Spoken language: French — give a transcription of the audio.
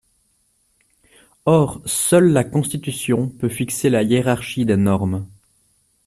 Or, seule la Constitution peut fixer la hiérarchie des normes.